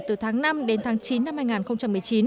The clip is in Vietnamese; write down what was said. từ tháng năm đến tháng chín năm hai nghìn một mươi chín